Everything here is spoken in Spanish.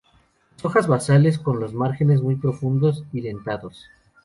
Las hojas basales, con los márgenes muy profundos y dentados.